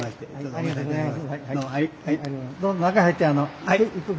ありがとうございます。